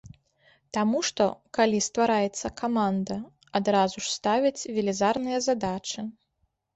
Таму што, калі ствараецца каманда, адразу ж ставяць велізарныя задачы.